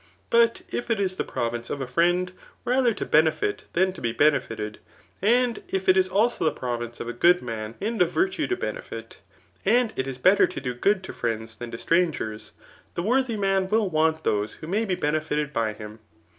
But if it is the province of a friend rather to benefit than to be benefited, and if it is also the province of a good nun and of virti^ to benefit, and it is better to do good to friends than to strangers, the worthy man will want those who may be benefited by him.